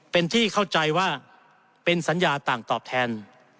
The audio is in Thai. เป็นที่เข้าใจว่าเป็นสัญญาต่างตอบแทน